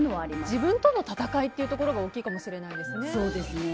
自分との戦いというところが大きいかもしれないですね。